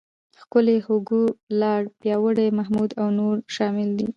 ښکلی، هوګو، لاړ، پیاوړی، محمود او نور شامل دي.